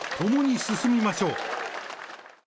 共に進みましょう。